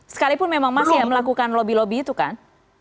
sekalipun memang masih melakukan lobby lobby itu kan